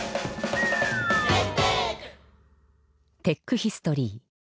テックヒストリー。